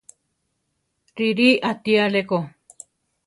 Riʼrí ati aléko.